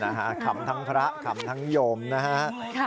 นะฮะขำทางพระขำทางโยมนะฮะ